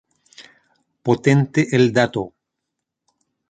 Potente el dato